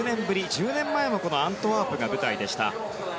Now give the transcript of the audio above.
１０年前もこのアントワープが舞台でした。